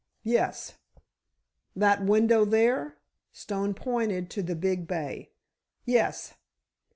"Yes." "That window there?" Stone pointed to the big bay. "Yes."